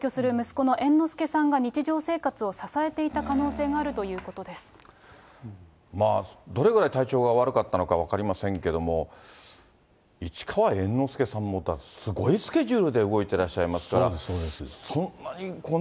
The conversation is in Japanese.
同居する息子の猿之助さんが日常生活を支えていた可能性があどれぐらい体調が悪かったのか分かりませんけれども、市川猿之助さんもすごいスケジュールで動いてらっしゃいますから、そんなにこうね。